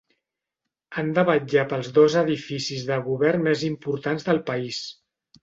Han de vetllar pels dos edificis de govern més importants del país.